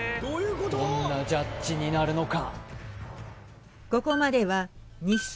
どんなジャッジになるのか？